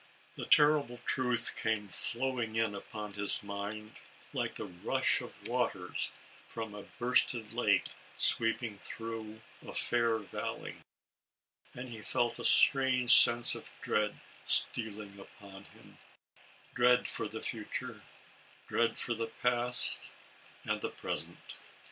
The terrible truth came flowing in upon his mind, like the rush of waters from* a bursted lake sweeping through a fair valley, and he felt a strange sense of dread stealing upon him — dread for the future, dread for the past, and the present.